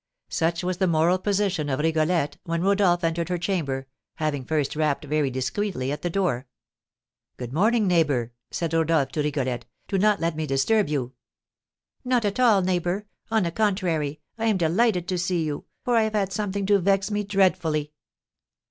Such was the moral position of Rigolette when Rodolph entered her chamber, having first rapped very discreetly at the door. "Good morning, neighbour," said Rodolph to Rigolette; "do not let me disturb you." "Not at all, neighbour. On the contrary, I am delighted to see you, for I have had something to vex me dreadfully."